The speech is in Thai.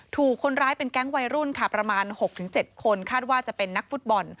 ถูกคนร้ายเป็นแก๊งวัยรุ่นค่ะประมาณ๖๗คนคาดว่าจะเป็นนักฟุตบอล